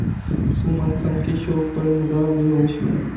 سلمان خان کے شو پر مداح بےہوش